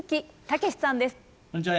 こんにちは。